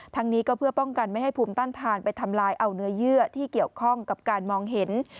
นี้ก็เพื่อป้องกันไม่ให้ภูมิต้านทานไปทำลายเอาเนื้อเยื่อที่เกี่ยวข้องกับการมองเห็น